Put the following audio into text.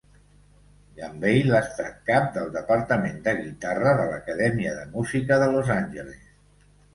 Gambale ha estat cap del departament de guitarra de l'acadèmia de música de Los Angeles.